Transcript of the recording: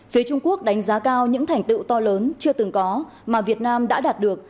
phía trung quốc đánh giá cao những thành tựu to lớn chưa từng có mà việt nam đã đạt được